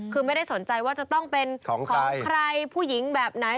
คือไม่ได้สนใจว่าจะต้องเป็นของใครผู้หญิงแบบไหน